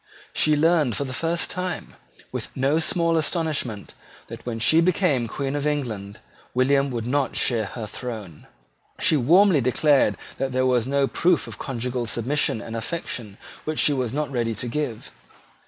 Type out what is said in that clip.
She learned for the first time, with no small astonishment, that, when she became Queen of England, William would not share her throne. She warmly declared that there was no proof of conjugal submission and affection which she was not ready to give.